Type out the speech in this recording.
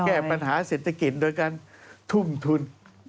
แก้ปัญหาเสียงศักดิ์กิจโดยการทุ่มทุน